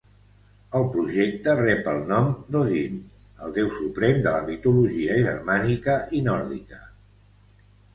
El projecte rep el nom d'Odin, el déu suprem de la mitologia germànica i nòrdica.